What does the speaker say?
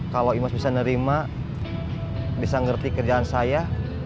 kalau imas bisa nerima bisa ngerti kerjaan saya